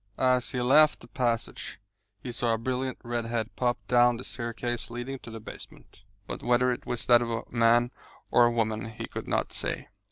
As he left the passage he saw a brilliant red head pop down the staircase leading to the basement; but whether it was that of a man or a woman he could not say.